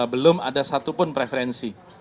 belum ada satupun preferensi